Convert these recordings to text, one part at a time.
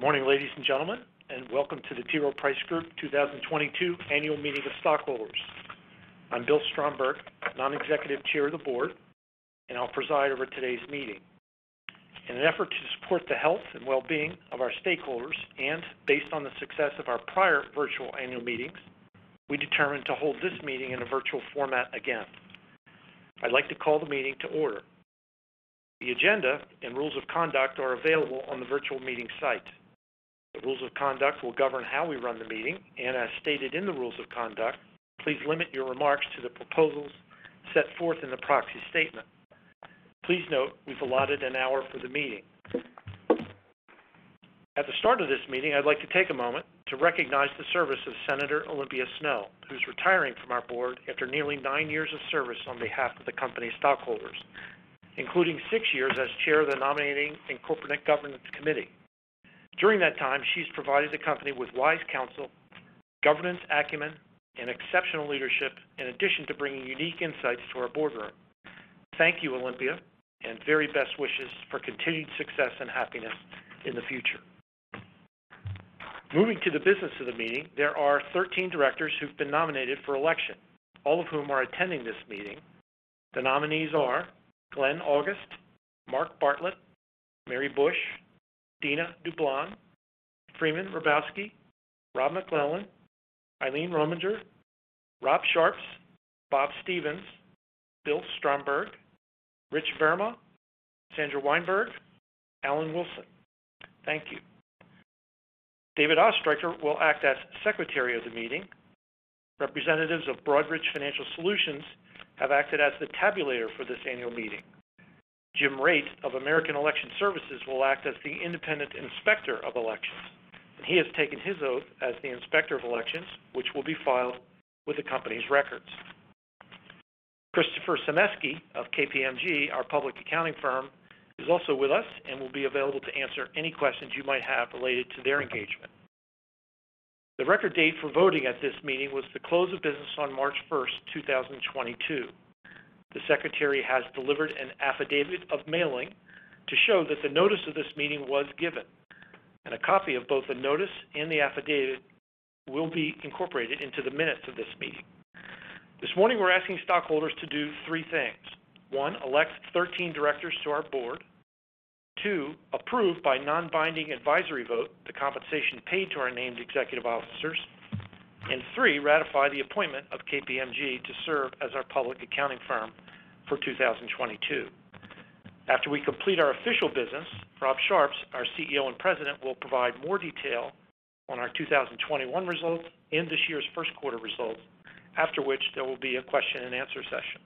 Good morning, ladies and gentlemen, and welcome to the T. Rowe Price Group 2022 Annual Meeting of Stockholders. I'm Bill Stromberg, Non-Executive Chair of the Board, and I'll preside over today's meeting. In an effort to support the health and well-being of our stakeholders and based on the success of our prior virtual annual meetings, we determined to hold this meeting in a virtual format again. I'd like to call the meeting to order. The agenda and rules of conduct are available on the virtual meeting site. The rules of conduct will govern how we run the meeting. As stated in the rules of conduct, please limit your remarks to the proposals set forth in the proxy statement. Please note we've allotted an hour for the meeting. At the start of this meeting, I'd like to take a moment to recognize the service of Senator Olympia Snowe, who's retiring from our board after nearly nine years of service on behalf of the company stockholders, including six years as chair of the nominating and corporate governance committee. During that time, she's provided the company with wise counsel, governance acumen, and exceptional leadership in addition to bringing unique insights to our boardroom. Thank you, Olympia, and very best wishes for continued success and happiness in the future. Moving to the business of the meeting, there are 13 directors who've been nominated for election, all of whom are attending this meeting. The nominees are Glenn August, Mark Bartlett, Mary Bush, Dina Dublon, Freeman Hrabowski, Rob MacLennan, Eileen Rominger, Rob Sharps, Bob Stevens, Bill Stromberg, Rich Verma, Sandra Wijnberg, Alan Wilson. Thank you. David Oestreicher will act as secretary of the meeting. Representatives of Broadridge Financial Solutions have acted as the tabulator for this annual meeting. Jim Raitt of American Election Services will act as the independent inspector of elections, and he has taken his oath as the inspector of elections, which will be filed with the company's records. Christopher Samulski of KPMG, our public accounting firm, is also with us and will be available to answer any questions you might have related to their engagement. The record date for voting at this meeting was the close of business on March first, two thousand twenty-two. The secretary has delivered an affidavit of mailing to show that the notice of this meeting was given, and a copy of both the notice and the affidavit will be incorporated into the minutes of this meeting. This morning, we're asking stockholders to do three things. 1, elect 13 directors to our board. 2, approve by non-binding advisory vote the compensation paid to our named executive officers. 3, ratify the appointment of KPMG to serve as our public accounting firm for 2022. After we complete our official business, Rob Sharps, our CEO and President, will provide more detail on our 2021 results and this year's first quarter results, after which there will be a question and answer session.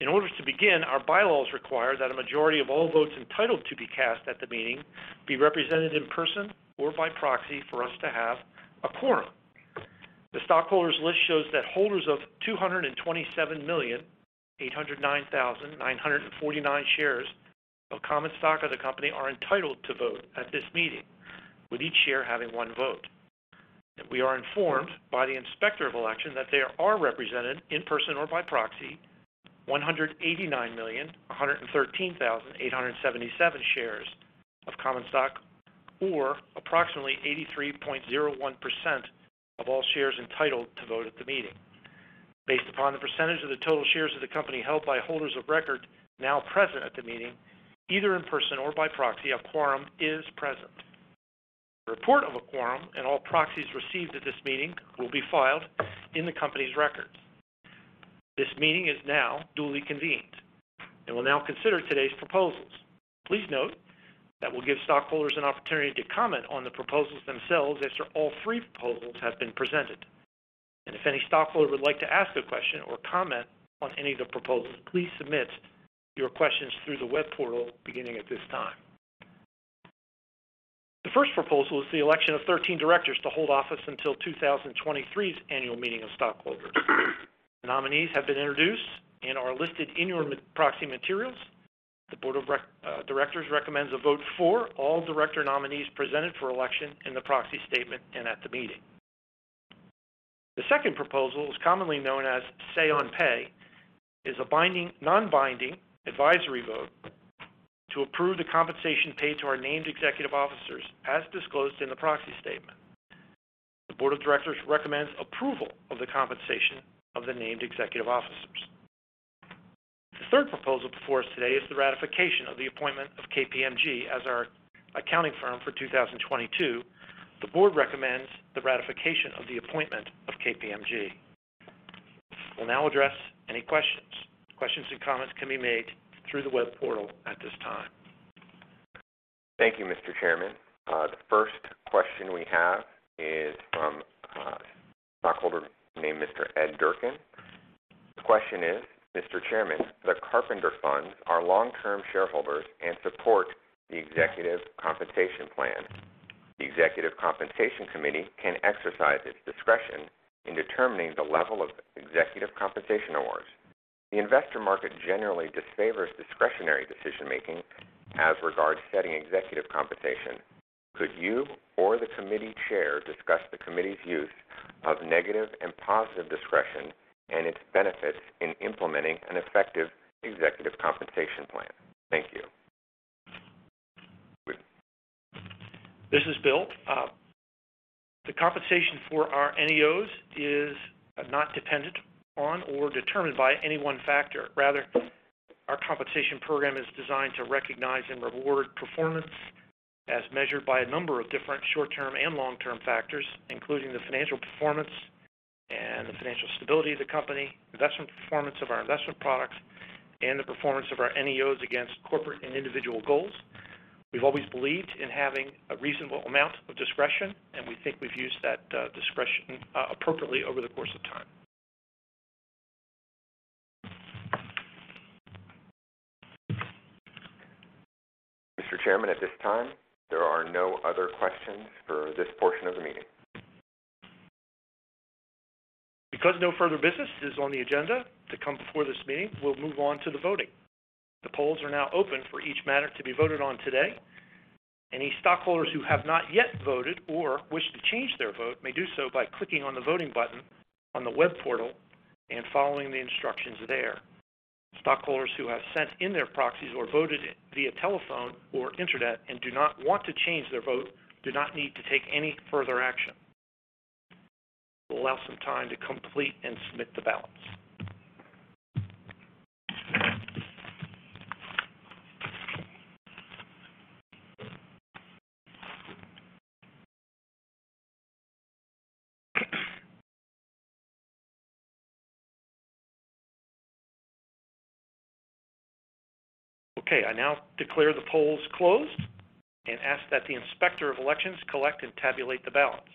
In order to begin, our bylaws require that a majority of all votes entitled to be cast at the meeting be represented in person or by proxy for us to have a quorum. The stockholders list shows that holders of 227,809,949 shares of common stock of the company are entitled to vote at this meeting, with each share having one vote. We are informed by the inspector of election that they are represented in person or by proxy 189,113,877 shares of common stock or approximately 83.01% of all shares entitled to vote at the meeting. Based upon the percentage of the total shares of the company held by holders of record now present at the meeting, either in person or by proxy, a quorum is present. The report of a quorum and all proxies received at this meeting will be filed in the company's records. This meeting is now duly convened, and we'll now consider today's proposals. Please note that we'll give stockholders an opportunity to comment on the proposals themselves after all three proposals have been presented. If any stockholder would like to ask a question or comment on any of the proposals, please submit your questions through the web portal beginning at this time. The first proposal is the election of 13 directors to hold office until 2023's Annual Meeting of Stockholders. The nominees have been introduced and are listed in your proxy materials. The board of directors recommends a vote for all director nominees presented for election in the proxy statement and at the meeting. The second proposal is commonly known as say on pay, is a non-binding advisory vote to approve the compensation paid to our named executive officers as disclosed in the proxy statement. The board of directors recommends approval of the compensation of the named executive officers. The third proposal before us today is the ratification of the appointment of KPMG as our accounting firm for 2022. The board recommends the ratification of the appointment of KPMG. We'll now address any questions. Questions and comments can be made through the web portal at this time. Thank you, Mr. Chairman. The first question we have is from stockholder named Mr. Ed Durkin. The question is, Mr. Chairman, the Carpenters' Funds are long-term shareholders and support the executive compensation plan. The executive compensation committee can exercise its discretion in determining the level of executive compensation awards. The investor market generally disfavors discretionary decision-making as regards setting executive compensation. Could you or the committee chair discuss the committee's use of negative and positive discretion and its benefits in implementing an effective executive compensation plan? Thank you. This is Bill. The compensation for our NEOs is not dependent on or determined by any one factor. Rather, our compensation program is designed to recognize and reward performance as measured by a number of different short-term and long-term factors, including the financial performance and the financial stability of the company, investment performance of our investment products, and the performance of our NEOs against corporate and individual goals. We've always believed in having a reasonable amount of discretion, and we think we've used that, discretion, appropriately over the course of time. Mr. Chairman, at this time, there are no other questions for this portion of the meeting. Because no further business is on the agenda to come before this meeting, we'll move on to the voting. The polls are now open for each matter to be voted on today. Any stockholders who have not yet voted or wish to change their vote may do so by clicking on the voting button on the web portal and following the instructions there. Stockholders who have sent in their proxies or voted via telephone or internet and do not want to change their vote do not need to take any further action. We'll allow some time to complete and submit the ballots. Okay, I now declare the polls closed and ask that the inspector of elections collect and tabulate the ballots.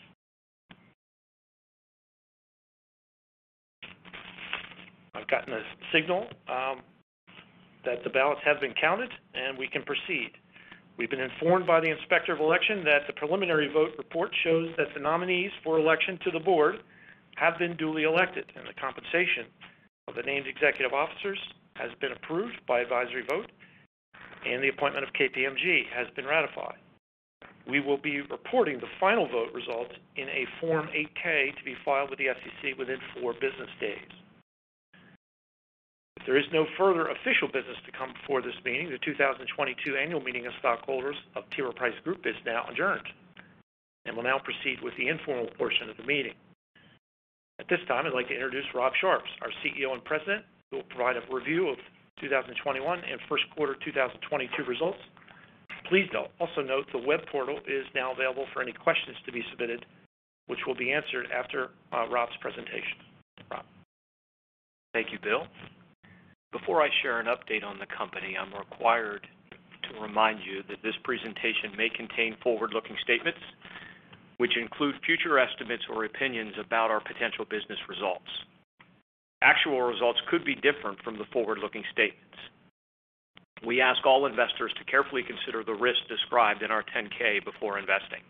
I've gotten a signal that the ballots have been counted, and we can proceed. We've been informed by the inspector of election that the preliminary vote report shows that the nominees for election to the board have been duly elected, and the compensation of the named executive officers has been approved by advisory vote, and the appointment of KPMG has been ratified. We will be reporting the final vote results in a Form 8-K to be filed with the SEC within four business days. If there is no further official business to come before this meeting, the 2022 annual meeting of stockholders of T. Rowe Price Group is now adjourned, and we'll now proceed with the informal portion of the meeting. At this time, I'd like to introduce Rob Sharps, our CEO and President, who will provide a review of 2021 and first quarter 2022 results. Please note, also note the web portal is now available for any questions to be submitted, which will be answered after Rob's presentation. Rob. Thank you, Bill. Before I share an update on the company, I'm required to remind you that this presentation may contain forward-looking statements, which include future estimates or opinions about our potential business results. Actual results could be different from the forward-looking statements. We ask all investors to carefully consider the risks described in our 10-K before investing.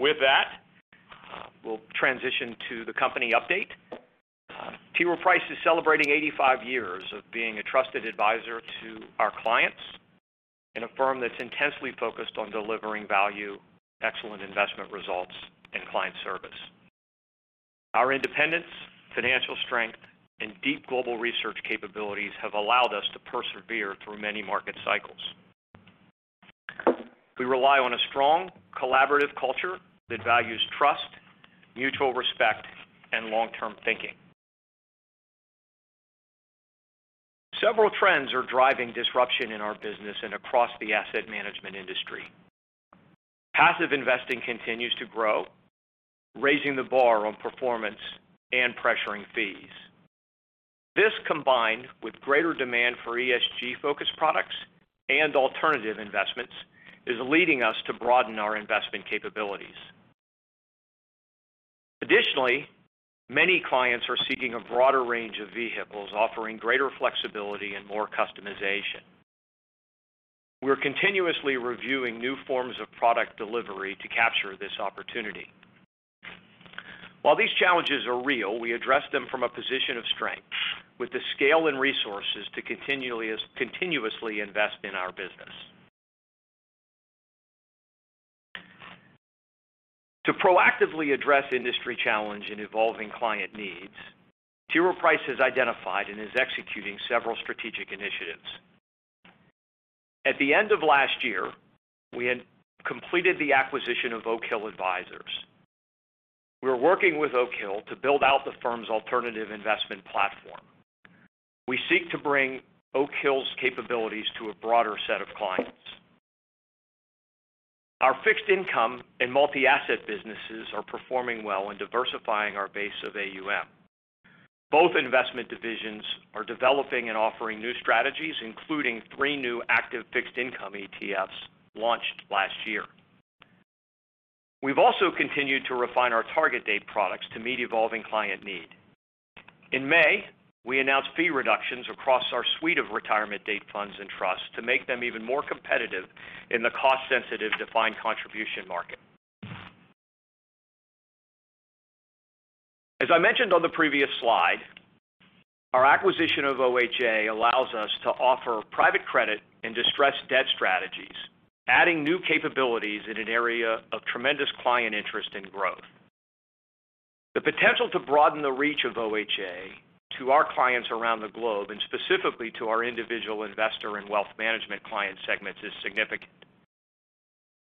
With that, we'll transition to the company update. T. Rowe Price is celebrating 85 years of being a trusted advisor to our clients in a firm that's intensely focused on delivering value, excellent investment results, and client service. Our independence, financial strength, and deep global research capabilities have allowed us to persevere through many market cycles. We rely on a strong collaborative culture that values trust, mutual respect, and long-term thinking. Several trends are driving disruption in our business and across the asset management industry. Passive investing continues to grow, raising the bar on performance and pressuring fees. This, combined with greater demand for ESG-focused products and alternative investments, is leading us to broaden our investment capabilities. Additionally, many clients are seeking a broader range of vehicles offering greater flexibility and more customization. We're continuously reviewing new forms of product delivery to capture this opportunity. While these challenges are real, we address them from a position of strength with the scale and resources to continuously invest in our business. To proactively address industry challenges and evolving client needs, T. Rowe Price has identified and is executing several strategic initiatives. At the end of last year, we had completed the acquisition of Oak Hill Advisors. We're working with Oak Hill to build out the firm's alternative investment platform. We seek to bring Oak Hill's capabilities to a broader set of clients. Our fixed income and multi-asset businesses are performing well in diversifying our base of AUM. Both investment divisions are developing and offering new strategies, including three new active fixed income ETFs launched last year. We've also continued to refine our target date products to meet evolving client need. In May, we announced fee reductions across our suite of retirement date funds and trusts to make them even more competitive in the cost-sensitive defined contribution market. As I mentioned on the previous slide, our acquisition of OHA allows us to offer private credit and distressed debt strategies, adding new capabilities in an area of tremendous client interest and growth. The potential to broaden the reach of OHA to our clients around the globe, and specifically to our individual investor and wealth management client segments, is significant.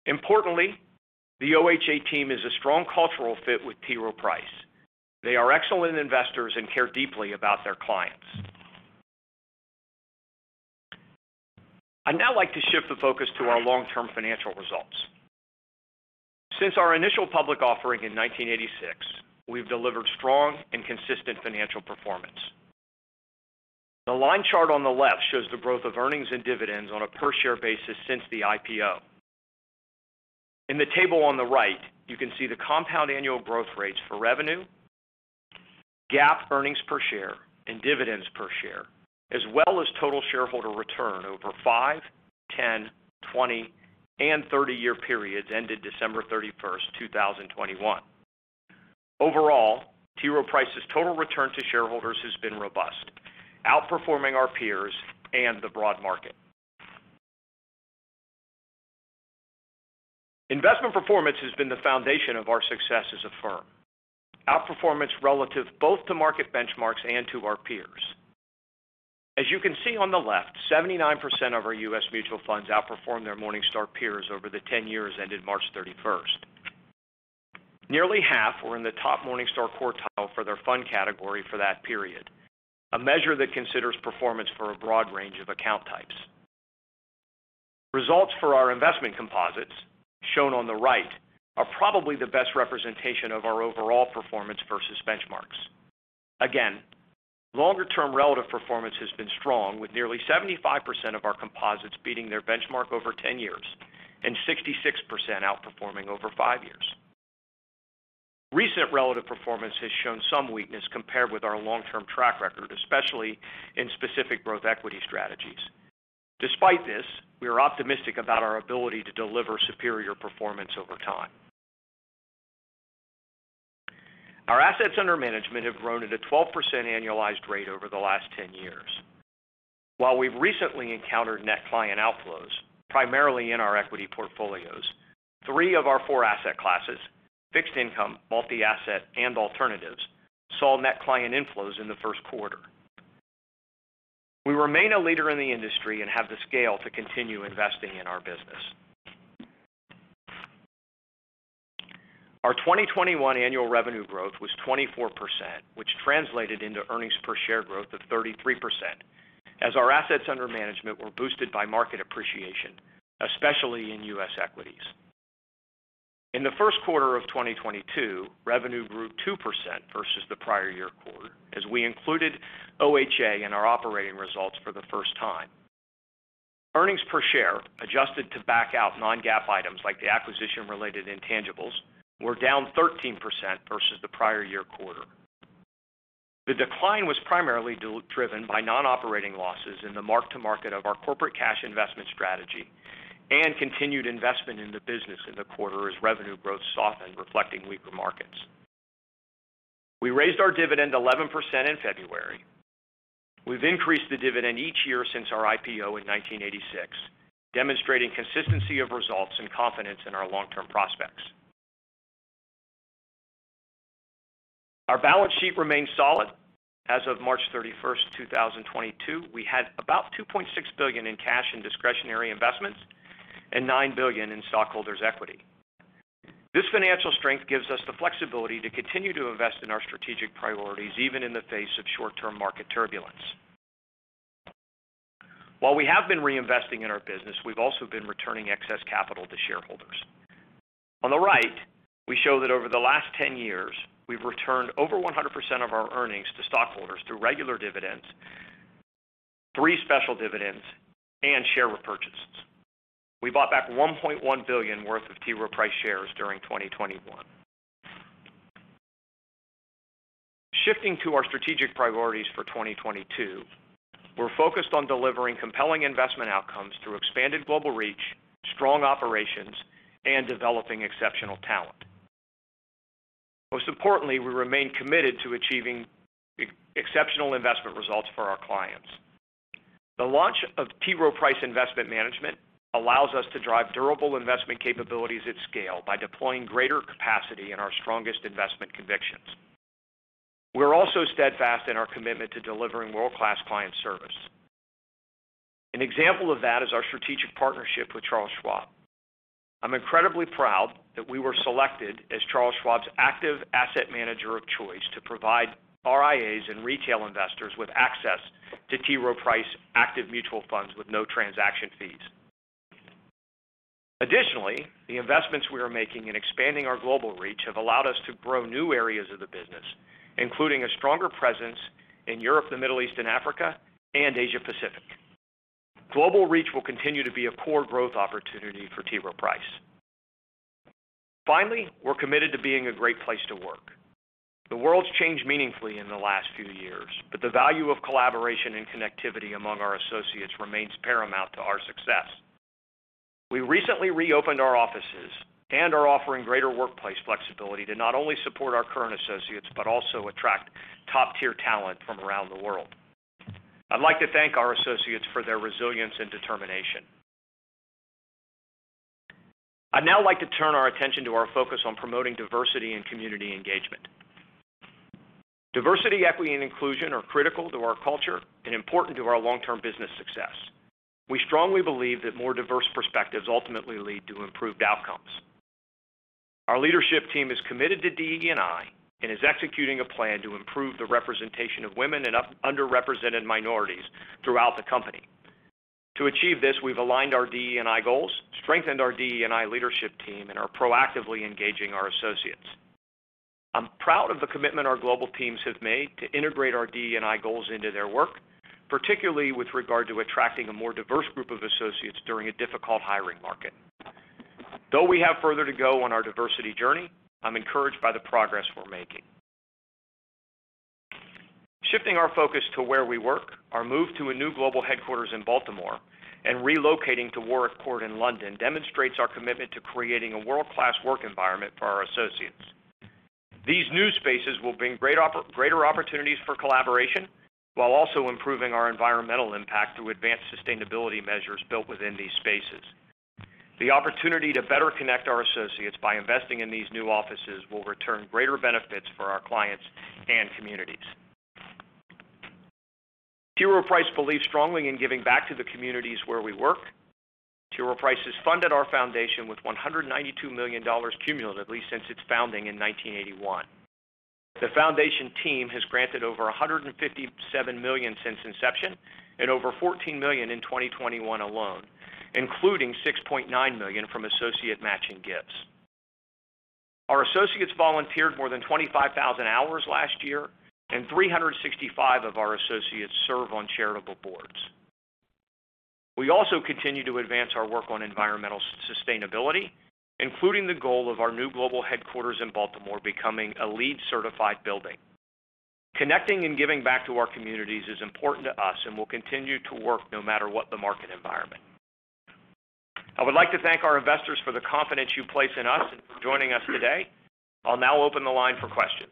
Importantly, the OHA team is a strong cultural fit with T. Rowe Price. They are excellent investors and care deeply about their clients. I'd now like to shift the focus to our long-term financial results. Since our initial public offering in 1986, we've delivered strong and consistent financial performance. The line chart on the left shows the growth of earnings and dividends on a per share basis since the IPO. In the table on the right, you can see the compound annual growth rates for revenue, GAAP earnings per share, and dividends per share, as well as total shareholder return over 5-, 10-, 20-, and 30-year periods ended December 31, 2021. Overall, T. Rowe Price's total return to shareholders has been robust, outperforming our peers and the broad market. Investment performance has been the foundation of our success as a firm. Outperformance relative to both market benchmarks and to our peers. As you can see on the left, 79% of our US mutual funds outperformed their Morningstar peers over the 10 years ended March 31. Nearly half were in the top Morningstar quartile for their fund category for that period, a measure that considers performance for a broad range of account types. Results for our investment composites, shown on the right, are probably the best representation of our overall performance versus benchmarks. Again, longer-term relative performance has been strong, with nearly 75% of our composites beating their benchmark over 10 years and 66% outperforming over 5 years. Recent relative performance has shown some weakness compared with our long-term track record, especially in specific growth equity strategies. Despite this, we are optimistic about our ability to deliver superior performance over time. Our assets under management have grown at a 12% annualized rate over the last 10 years. While we've recently encountered net client outflows, primarily in our equity portfolios, three of our four asset classes, fixed income, multi-asset, and alternatives, saw net client inflows in the first quarter. We remain a leader in the industry and have the scale to continue investing in our business. Our 2021 annual revenue growth was 24%, which translated into earnings per share growth of 33% as our assets under management were boosted by market appreciation, especially in U.S. equities. In the first quarter of 2022, revenue grew 2% versus the prior year quarter as we included OHA in our operating results for the first time. Earnings per share, adjusted to back out non-GAAP items like the acquisition-related intangibles, were down 13% versus the prior year quarter. The decline was primarily driven by non-operating losses in the mark-to-market of our corporate cash investment strategy and continued investment in the business in the quarter as revenue growth softened, reflecting weaker markets. We raised our dividend 11% in February. We've increased the dividend each year since our IPO in 1986, demonstrating consistency of results and confidence in our long-term prospects. Our balance sheet remains solid. As of March 31, 2022, we had about $2.6 billion in cash and discretionary investments and $9 billion in stockholders' equity. This financial strength gives us the flexibility to continue to invest in our strategic priorities, even in the face of short-term market turbulence. While we have been reinvesting in our business, we've also been returning excess capital to shareholders. On the right, we show that over the last 10 years, we've returned over 100% of our earnings to stockholders through regular dividends, three special dividends, and share repurchases. We bought back $1.1 billion worth of T. Rowe Price shares during 2021. Shifting to our strategic priorities for 2022, we're focused on delivering compelling investment outcomes through expanded global reach, strong operations, and developing exceptional talent. Most importantly, we remain committed to achieving exceptional investment results for our clients. The launch of T. Rowe Price Investment Management allows us to drive durable investment capabilities at scale by deploying greater capacity in our strongest investment convictions. We're also steadfast in our commitment to delivering world-class client service. An example of that is our strategic partnership with Charles Schwab. I'm incredibly proud that we were selected as Charles Schwab's active asset manager of choice to provide RIAs and retail investors with access to T. Rowe Price active mutual funds with no transaction fees. Additionally, the investments we are making in expanding our global reach have allowed us to grow new areas of the business, including a stronger presence in Europe, the Middle East and Africa, and Asia Pacific. Global reach will continue to be a core growth opportunity for T. Rowe Price. Finally, we're committed to being a great place to work. The world's changed meaningfully in the last few years, but the value of collaboration and connectivity among our associates remains paramount to our success. We recently reopened our offices and are offering greater workplace flexibility to not only support our current associates, but also attract top-tier talent from around the world. I'd like to thank our associates for their resilience and determination. I'd now like to turn our attention to our focus on promoting diversity and community engagement. Diversity, equity, and inclusion are critical to our culture and important to our long-term business success. We strongly believe that more diverse perspectives ultimately lead to improved outcomes. Our leadership team is committed to DE&I and is executing a plan to improve the representation of women and underrepresented minorities throughout the company. To achieve this, we've aligned our DE&I goals, strengthened our DE&I leadership team, and are proactively engaging our associates. I'm proud of the commitment our global teams have made to integrate our DE&I goals into their work, particularly with regard to attracting a more diverse group of associates during a difficult hiring market. Though we have further to go on our diversity journey, I'm encouraged by the progress we're making. Shifting our focus to where we work, our move to a new global headquarters in Baltimore and relocating to Warwick Court in London demonstrates our commitment to creating a world-class work environment for our associates. These new spaces will bring greater opportunities for collaboration while also improving our environmental impact through advanced sustainability measures built within these spaces. The opportunity to better connect our associates by investing in these new offices will return greater benefits for our clients and communities. T. Rowe Price believes strongly in giving back to the communities where we work. T. Rowe Price has funded our foundation with $192 million cumulatively since its founding in 1981. The foundation team has granted over $157 million since inception and over $14 million in 2021 alone, including $6.9 million from associate matching gifts. Our associates volunteered more than 25,000 hours last year, and 365 of our associates serve on charitable boards. We also continue to advance our work on environmental sustainability, including the goal of our new global headquarters in Baltimore becoming a LEED certified building. Connecting and giving back to our communities is important to us and will continue to work no matter what the market environment. I would like to thank our investors for the confidence you place in us and for joining us today. I'll now open the line for questions.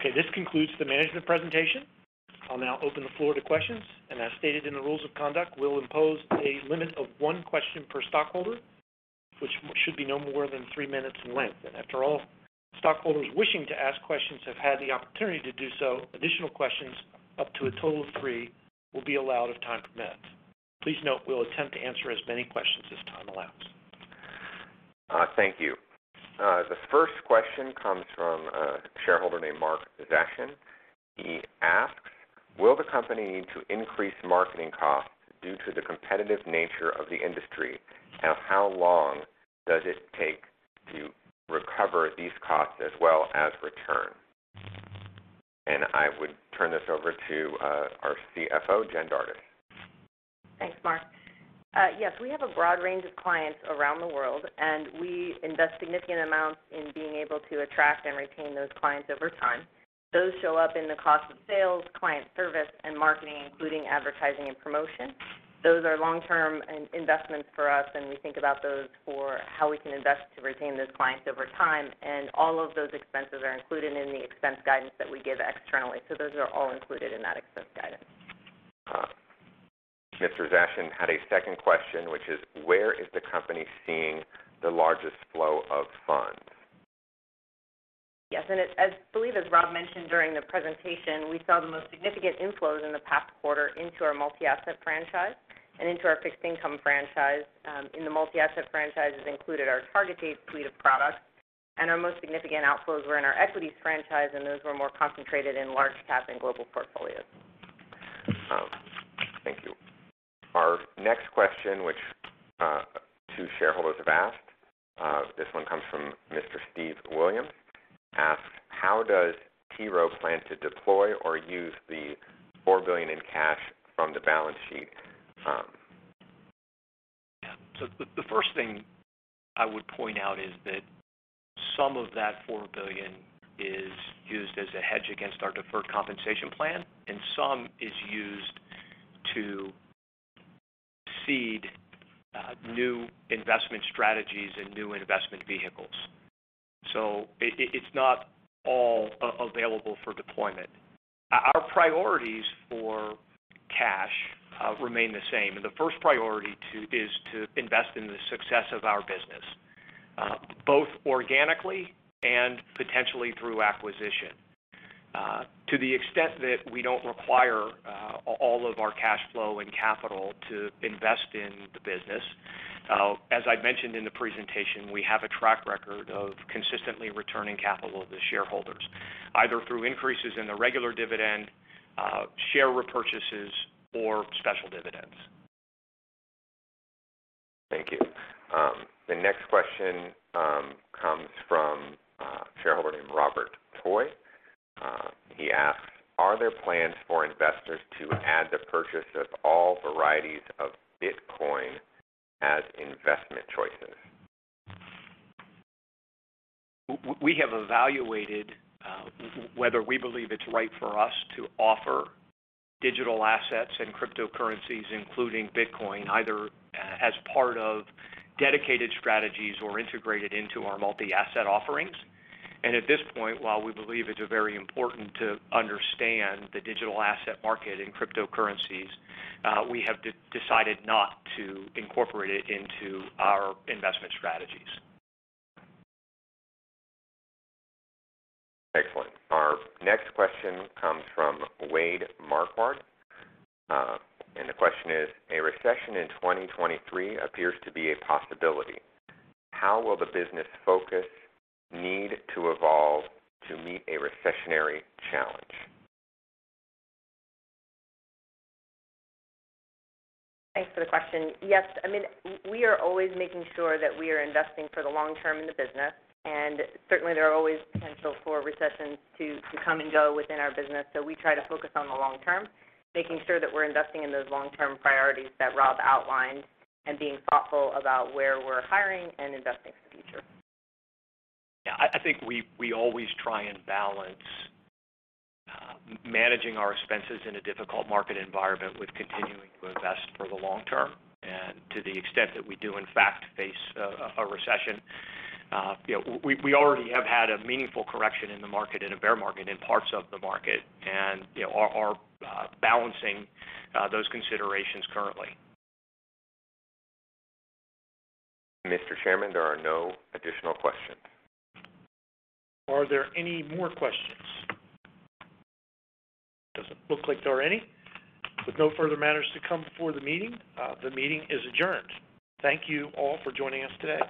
Okay, this concludes the management presentation. I'll now open the floor to questions. As stated in the rules of conduct, we'll impose a limit of one question per stockholder, which must be no more than 3 minutes in length. After all stockholders wishing to ask questions have had the opportunity to do so, additional questions, up to a total of three, will be allowed if time permits. Please note we'll attempt to answer as many questions as time allows. Thank you. The first question comes from a shareholder named Mark Zashen. He asks, "Will the company need to increase marketing costs due to the competitive nature of the industry? And how long does it take to recover these costs as well as return?" I would turn this over to our CFO, Jen Dardis. Thanks, Mark. Yes, we have a broad range of clients around the world, and we invest significant amounts in being able to attract and retain those clients over time. Those show up in the cost of sales, client service, and marketing, including advertising and promotion. Those are long-term investments for us, and we think about those for how we can invest to retain those clients over time. All of those expenses are included in the expense guidance that we give externally. Those are all included in that expense guidance. Mr. Zashen had a second question which is, where is the company seeing the largest flow of funds? Yes. As I believe, as Rob mentioned during the presentation, we saw the most significant inflows in the past quarter into our multi-asset franchise and into our fixed income franchise. In the multi-asset franchise, including our targeted suite of products. Our most significant outflows were in our equities franchise, and those were more concentrated in large cap and global portfolios. Thank you. Our next question, which two shareholders have asked, this one comes from Mr. Steve Williams, asks, "How does T. Rowe plan to deploy or use the $4 billion in cash from the balance sheet? Yeah. The first thing I would point out is that some of that $4 billion is used as a hedge against our deferred compensation plan, and some is used to seed new investment strategies and new investment vehicles. It's not all available for deployment. Our priorities for cash remain the same, and the first priority is to invest in the success of our business both organically and potentially through acquisition. To the extent that we don't require all of our cash flow and capital to invest in the business, as I mentioned in the presentation, we have a track record of consistently returning capital to shareholders, either through increases in the regular dividend, share repurchases, or special dividends. Thank you. The next question, shareholder named Robert Toy. He asks, are there plans for investors to add the purchase of all varieties of Bitcoin as investment choices? We have evaluated whether we believe it's right for us to offer digital assets and cryptocurrencies, including Bitcoin, either as part of dedicated strategies or integrated into our multi-asset offerings. At this point, while we believe it's very important to understand the digital asset market in cryptocurrencies, we have decided not to incorporate it into our investment strategies. Excellent. Our next question comes from Wade Marquardt. The question is: A recession in 2023 appears to be a possibility. How will the business focus need to evolve to meet a recessionary challenge? Thanks for the question. Yes. I mean, we are always making sure that we are investing for the long term in the business, and certainly there are always potential for recessions to come and go within our business. We try to focus on the long term, making sure that we're investing in those long-term priorities that Rob outlined and being thoughtful about where we're hiring and investing for the future. Yeah. I think we always try and balance managing our expenses in a difficult market environment with continuing to invest for the long term. To the extent that we do in fact face a recession, you know, we already have had a meaningful correction in the market, in a bear market, in parts of the market and, you know, are balancing those considerations currently. Mr. Chairman, there are no additional questions. Are there any more questions? Doesn't look like there are any. With no further matters to come before the meeting, the meeting is adjourned. Thank you all for joining us today.